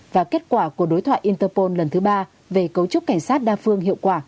và kết quả của đối thoại interpol lần thứ ba về cấu trúc cảnh sát đa phương hiệu quả